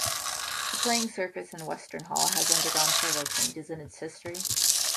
The playing surface in Western Hall has undergone several changes in its history.